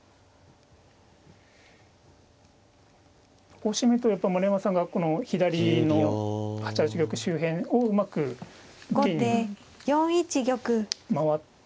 こうしてみるとやっぱり丸山さんがこの左の８八玉周辺をうまく受けに回って。